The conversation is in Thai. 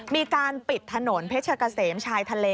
มีการปิดถนนเพชรกะเสมชายทะเล